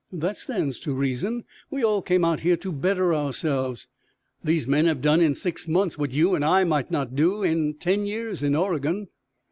That stands to reason. We all came out here to better ourselves. These men have done in six months what you and I might not do in ten years in Oregon."